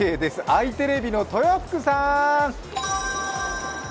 あいテレビの豊福さーん。